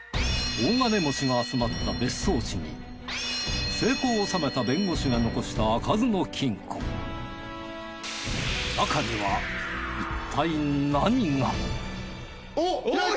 大金持ちが集まった別荘地に成功を収めた弁護士が残した開かずの金庫おっ開いた開いた。